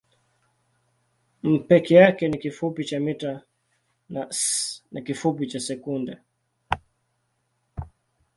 m peke yake ni kifupi cha mita na s ni kifupi cha sekunde.